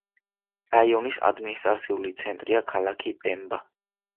რაიონის ადმინისტრაციული ცენტრია ქალაქი პემბა.